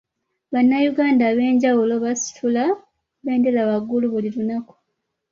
Bannayuganda ab'enjawulo basitula bendera waggulu buli lunaku.